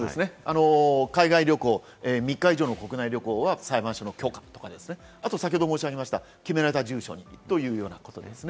海外旅行、３日以上の国内旅行は裁判所の許可とかですね、あと決められた住所にというようなことです。